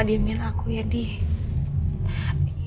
diamin aku ya dih